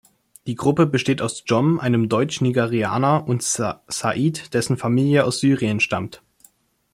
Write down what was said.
Die Gruppe besteht aus Jom, einem Deutsch-Nigerianer und Said, dessen Familie aus Syrien stammt.